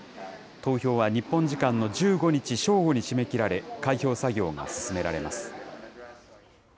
投票は日本時間の１５日正午に締め切られ、開票作業が進められます。